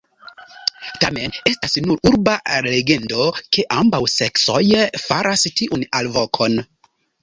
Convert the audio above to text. Tamen estas nur urba legendo ke ambaŭ seksoj faras tiun alvokon.